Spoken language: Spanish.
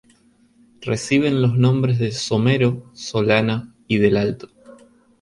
Reciben los nombres de Somero, Solana y del Alto.